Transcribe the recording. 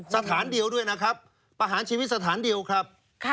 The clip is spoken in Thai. สถานเดียวด้วยนะครับประหารชีวิตสถานเดียวครับ